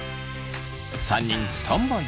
３人スタンバイ。